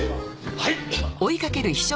はい！